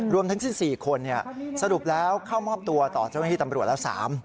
ทั้งสิ้น๔คนสรุปแล้วเข้ามอบตัวต่อเจ้าหน้าที่ตำรวจแล้ว๓